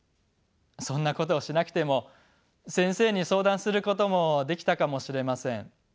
そんなことをしなくても先生に相談することもできたかもしれません。